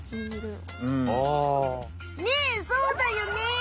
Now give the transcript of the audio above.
ねえそうだよね。